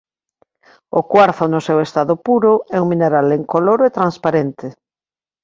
O cuarzo no seu estado puro é un mineral incoloro e transparente.